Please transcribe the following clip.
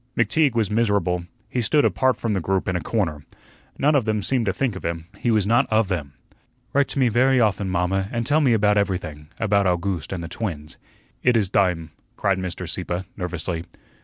McTeague was miserable. He stood apart from the group, in a corner. None of them seemed to think of him; he was not of them. "Write to me very often, mamma, and tell me about everything about August and the twins." "It is dime," cried Mr. Sieppe, nervously.